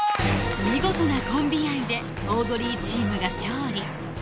見事なコンビ愛でオードリーチームが勝利